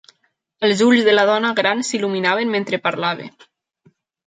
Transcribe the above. Els ulls de la dona gran s'il·luminaven mentre parlava.